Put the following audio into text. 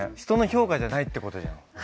人の評価じゃないってことじゃん。